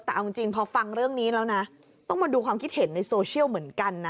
แต่เอาจริงพอฟังเรื่องนี้แล้วนะต้องมาดูความคิดเห็นในโซเชียลเหมือนกันนะ